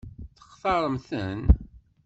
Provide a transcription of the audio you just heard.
Textaṛemt-ten?